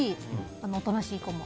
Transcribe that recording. おとなしい子も。